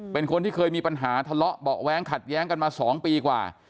เป็นคนที่เคยมีปัญหาทะเลาะเบาะแว้งขัดแย้งกันมา๒ปีกว่า